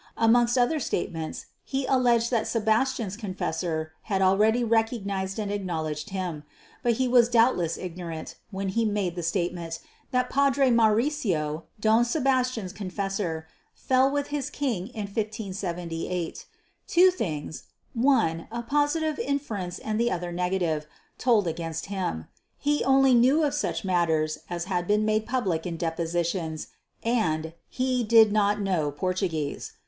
Amongst other statements he alleged that Sebastian's confessor had already recognised and acknowledged him; but he was doubtless ignorant, when he made the statement, that Padre Mauricio, Don Sebastian's confessor, fell with his king in 1578. Two things, one, a positive inference and the other negative, told against him. He only knew of such matters as had been made public in depositions, and he did not know Portuguese.